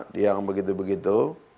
di yang begitu begitu